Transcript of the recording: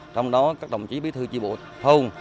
trong đó các đồng chí bí thư chi bộ thôn